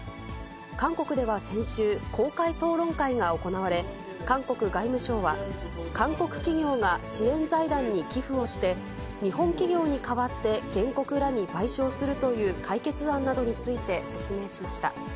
韓国では先週、公開討論会が行われ、韓国外務省は、韓国企業が支援財団に寄付をして、日本企業に代わって、原告らに賠償するという解決案などについて説明しました。